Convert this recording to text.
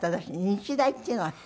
日大って言うのが。